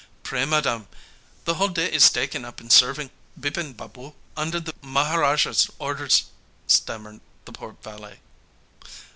'Pray, madam, the whole day is taken up in serving Bipin Babu under the Maharaja's orders,' stammered the poor valet.